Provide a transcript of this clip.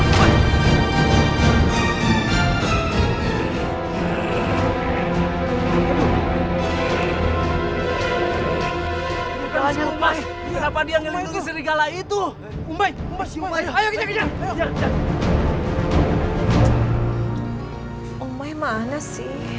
kampung kita segera aman